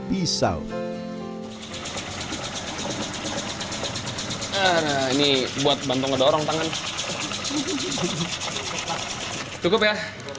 pisau ini buat bantu ngedorong tangan cukup ya